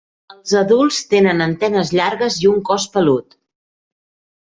Els adults tenen antenes llargues i un cos pelut.